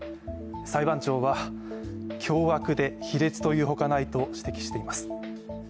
裁判長は凶悪で卑劣というほかないと指摘しています。